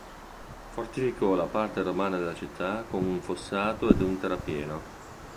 Fortificò la parte romana della città con un fossato ed un terrapieno.